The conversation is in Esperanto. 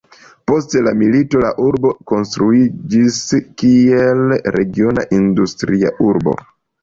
Post la milito la urbo rekonstruiĝis kiel regiona industria centro.